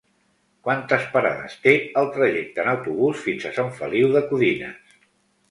Quantes parades té el trajecte en autobús fins a Sant Feliu de Codines?